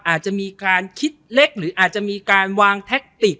อาจจะมีการคิดเล็กหรืออาจจะมีการวางแท็กติก